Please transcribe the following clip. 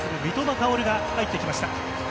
薫が入ってきました。